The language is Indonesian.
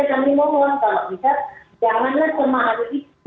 karena kami mau mau kalau bisa jemaah itu